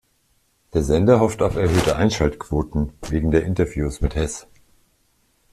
Der Sender hofft auf erhöhte Einschaltquoten wegen der Interviews mit Heß.